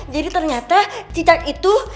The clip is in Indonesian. jadi ternyata cicak itu